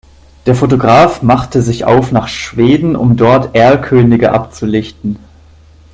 Der Fotograf machte sich auf nach Schweden, um dort Erlkönige abzulichten.